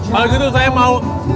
lalu gitu saya mau